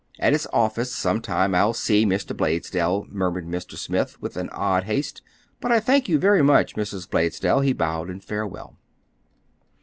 At his office, some time, I'll see Mr. Blaisdell," murmured Mr. Smith, with an odd haste. "But I thank you very much, Mrs. Blaisdell," he bowed in farewell.